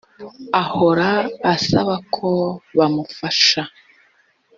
ahora asaba ko bamufasha